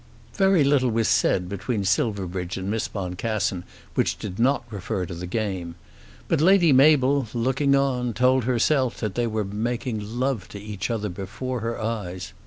Very little was said between Silverbridge and Miss Boncassen which did not refer to the game. But Lady Mabel, looking on, told herself that they were making love to each other before her eyes.